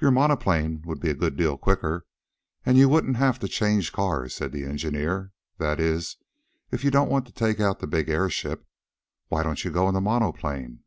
"Your monoplane would be a good deal quicker, and you wouldn't have to change cars," said the engineer. "That is if you don't want to take out the big airship. Why don't you go in the monoplane?"